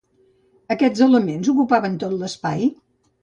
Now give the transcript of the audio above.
Aquests elements ocupaven tot l'espai?